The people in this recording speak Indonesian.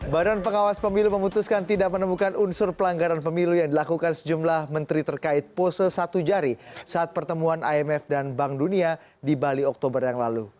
badan pengawas pemilu memutuskan tidak menemukan unsur pelanggaran pemilu yang dilakukan sejumlah menteri terkait pose satu jari saat pertemuan imf dan bank dunia di bali oktober yang lalu